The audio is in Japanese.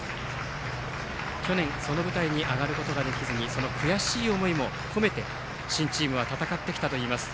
去年、その舞台に上がることができずにその悔しい思いもこめて新チームは戦ってきたといいます。